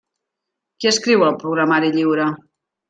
Qui escriu el programari lliure?